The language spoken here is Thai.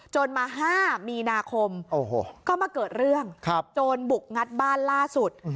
มา๕มีนาคมก็มาเกิดเรื่องโจรบุกงัดบ้านล่าสุด